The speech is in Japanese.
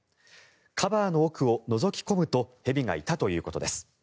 カバーの奥をのぞき込むと蛇がいたということです。